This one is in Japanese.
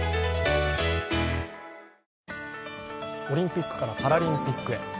オリンピックからパラリンピックへ。